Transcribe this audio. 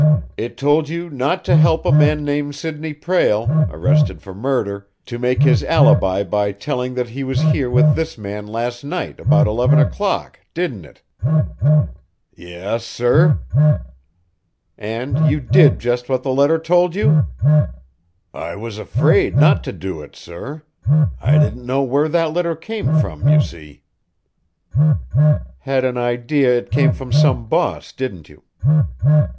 It told you not to help a man named Sidney Prale, arrested for murder, to make his alibi by telling that he was here with this man last night about eleven o'clock, didn't it?" "Y yes, sir." "And you did just what the letter told you?" "I was afraid not to do it, sir. I didn't know where that letter came from, you see." "Had an idea it came from some boss, didn't you?"